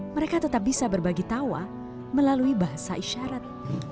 mereka tetap bisa berbagi tawa melalui bahasa isyarat